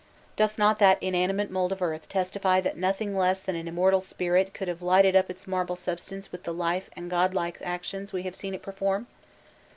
"Doth not that inanimate mold of earth testify that nothing less than an immortal spirit could have lighted up its marble substance with the life and god like actions we have seen it perform?"